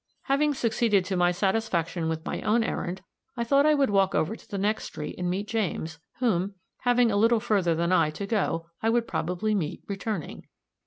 Having succeeded to my satisfaction with my own errand, I thought I would walk over to the next street and meet James, whom, having a little further than I to go, I would probably meet, returning.